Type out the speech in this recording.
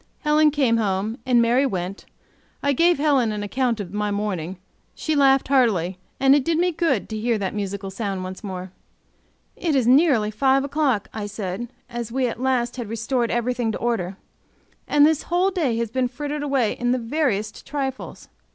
Helen came home, and Mary went. I gave Helen an account of my morning; she laughed heartily, and it did me good to hear that musical sound once more. "It is nearly five o'clock," I said, as we at last had restored everything to order, "and this whole day has been frittered away in the veriest trifles.